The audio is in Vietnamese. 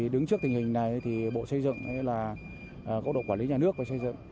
đứng trước tình hình này thì bộ xây dựng hay là cộng đồng quản lý nhà nước và xây dựng